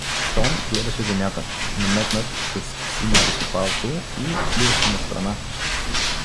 Тон гледаше земята, наметнат със синьото си палто, и плюеше настрана.